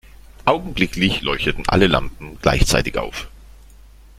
Augenblicklich leuchteten alle Lampen gleichzeitig auf.